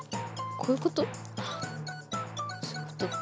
そういうことか。